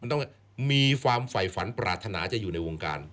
มันต้องมีความฝ่ายฝันปรารถนาจะอยู่ในวงการ